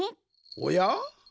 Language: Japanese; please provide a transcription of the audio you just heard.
おや？